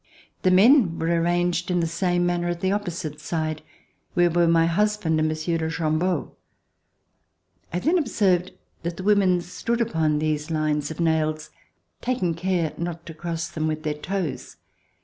The men were arranged in the same manner at the opposite side, where were my husband and Mon sieur de Chambeau. I then observed that the women stood upon these lines of nails, taking care not to cross them with their toes.